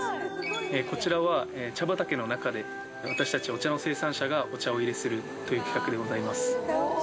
こちらは茶畑の中で、私たちお茶の生産者が、お茶をおいれするという企画でございます。